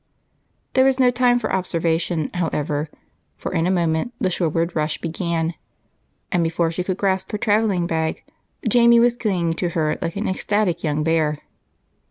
There was no time for observation, however, for in a moment the shoreward rush began, and before she could grasp her traveling bag, Jamie was clinging to her like an ecstatic young bear.